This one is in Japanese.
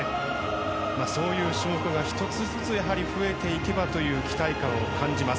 そういう種目が１つずつ増えていけばという期待感を感じます。